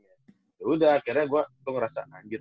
yaudah akhirnya gua ngerasa anjir